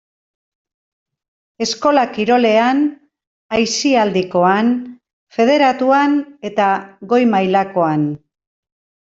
Eskola kirolean, aisialdikoan, federatuan eta goi-mailakoan.